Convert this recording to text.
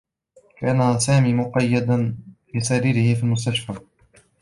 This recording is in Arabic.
كان سامي مقيّدا لسريره في المستشفى.